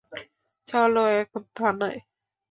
চলো এখন থানায়।